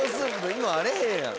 今あれへんやん。